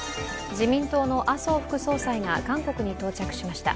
自民党の麻生副総裁が韓国に到着しました。